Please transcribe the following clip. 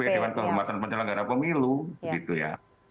jadi di kpp di kehormatan penjelanggaran pemilu gitu ya